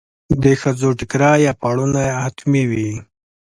د ښځو ټیکری یا پړونی حتمي وي.